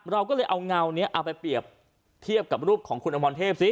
เราก็เลยเอาเงานี้เอาไปเปรียบเทียบกับรูปของคุณอมรเทพซิ